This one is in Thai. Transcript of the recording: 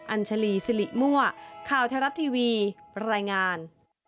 อัญชลีสิริมั่วข่าวไทยรัฐทีวีรายงาน